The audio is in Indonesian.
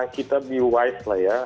kita be wise lah ya